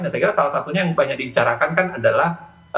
dan saya kira salah satunya yang banyak dicarakan kan adalah